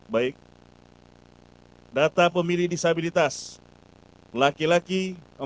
baik data pemilih disabilitas laki laki empat ribu tiga ratus enam puluh empat